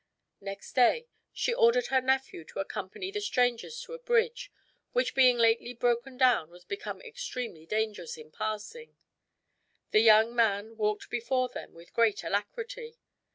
Next day, she ordered her nephew to accompany the strangers to a bridge, which being lately broken down, was become extremely dangerous in passing. The young man walked before them with great alacrity.